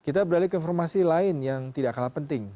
kita beralih ke informasi lain yang tidak kalah penting